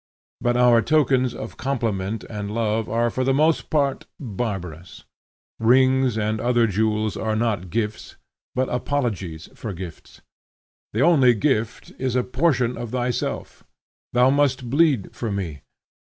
But our tokens of compliment and love are for the most part barbarous. Rings and other jewels are not gifts, but apologies for gifts. The only gift is a portion of thyself. Thou must bleed for me.